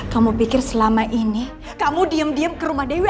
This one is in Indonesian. kamu pikir selama ini kamu diem diem ke rumah dewi